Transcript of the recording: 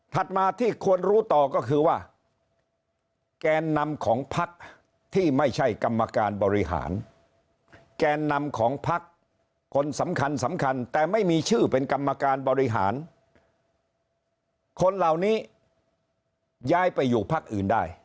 มาที่ควรรู้ต่อก็คือว่าแกนนำของพักที่ไม่ใช่กรรมการบริหารแกนนำของพักคนสำคัญสำคัญแต่ไม่มีชื่อเป็นกรรมการบริหารคนเหล่านี้ย้ายไปอยู่พักอื่นได้